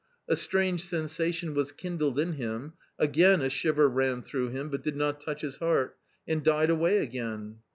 A strange sensation was kindled in him, again a shiver ran through him, but did not touch his heart, and died away again.